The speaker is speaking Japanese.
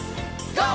ＧＯ！